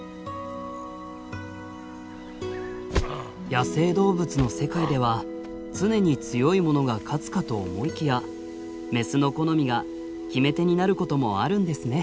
野生動物の世界では常に強いものが勝つかと思いきやメスの好みが決め手になることもあるんですね。